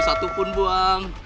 satu pun buang